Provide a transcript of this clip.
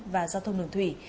và giao thông đường thủy